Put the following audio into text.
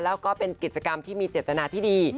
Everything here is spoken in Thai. แล้วก็เป็นกิจกรรมที่มีเจตนาที่ดี